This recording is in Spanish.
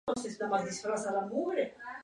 Juan Jorge era católico y leal al emperador.